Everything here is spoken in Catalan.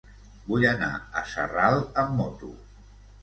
Vull anar a Sarral amb moto.